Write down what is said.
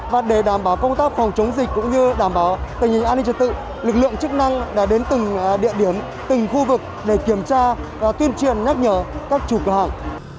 và để đảm bảo công tác phòng chống dịch cũng như đảm bảo tình hình an ninh trật tự lực lượng chức năng đã đến từng địa điểm từng khu vực để kiểm tra và tuyên truyền nhắc nhở các chủ cửa hàng